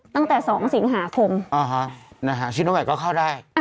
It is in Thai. ตั้งแต่๒สินหาคม